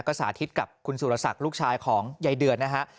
ก็สาธิตกับคุณสุรศักดิ์ลูกชายของยายเดือนนะฮะ